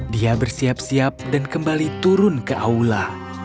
dia bersiap siap dan kembali turun ke aula